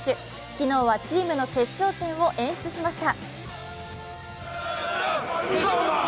昨日はチームの決勝点を演出しました。